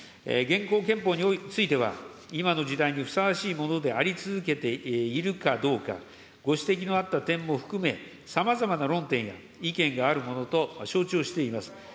現行憲法については、今の時代にふさわしいものであり続けているかどうか、ご指摘のあった点も含め、さまざまな論点や意見があるものと承知をしています。